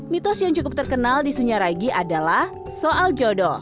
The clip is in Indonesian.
mitos yang cukup terkenal di sunyaragi adalah soal jodoh